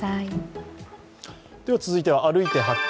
続いては「歩いて発見！